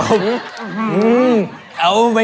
สายปะ